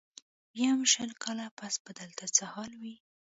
ويم شل کاله پس به دلته څه حال وي.